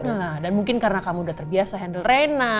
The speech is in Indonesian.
nah dan mungkin karena kamu udah terbiasa handle reina